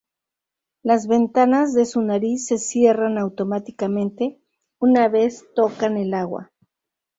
Las ventanas de su nariz se cierran automáticamente una vez tocan el agua.